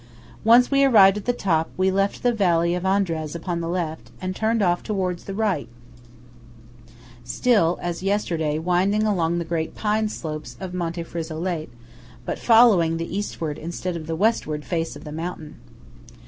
Once arrived at the top, we left the valley of Andraz upon the left, and turned off towards the right–still, as yesterday, winding along the great pine slopes of Monte Frisolet, but following the Eastward instead of the Westward face of the mountain.